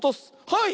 はい！